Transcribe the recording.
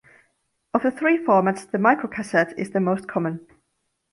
Of the three formats, the microcassette is the most common.